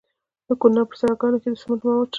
د کونړ په سرکاڼو کې د سمنټو مواد شته.